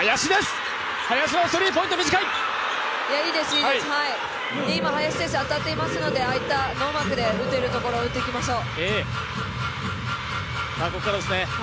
いいです、今、林選手、当たっていますので、ああいったノーマークで打てるところ、打っていきましょう。